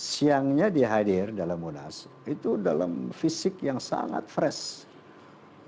siangnya dia hadir dalam munas itu dalam fisik yang sangat fresh